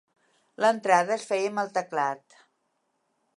L'entrada es feia amb el teclat.